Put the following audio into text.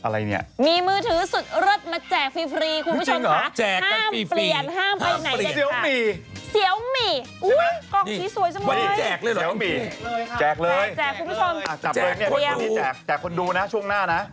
ดังดัง